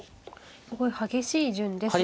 すごい激しい順ですね。